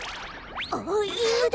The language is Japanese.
あっいぬだ！